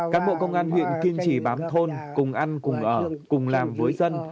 cán bộ công an huyện kiên trì bám thôn cùng ăn cùng ở cùng làm với dân